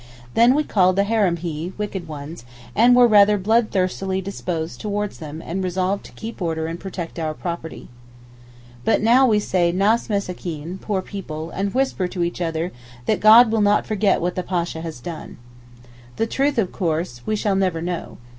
Then we called them harámee (wicked ones) and were rather blood thirstily disposed towards them and resolved to keep order and protect our property. But now we say nas messakeen (poor people) and whisper to each other that God will not forget what the Pasha has done. The truth of course we shall never know.